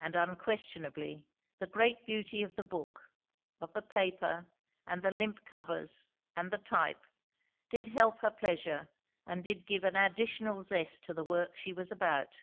And unquestionably, the great beauty of the book, of the paper and the limp covers and the type, did help her pleasure and did give an additional zest to the work she was about.